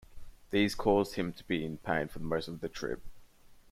These caused him to be in pain for most of the trip.